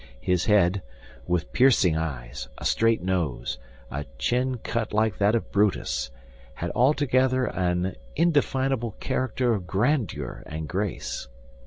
His head, with piercing eyes, a straight nose, a chin cut like that of Brutus, had altogether an indefinable character of grandeur and grace.